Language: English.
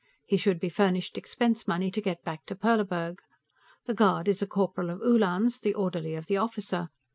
He should be furnished expense money to get back to Perleburg. The guard is a corporal of Uhlans, the orderly of the officer.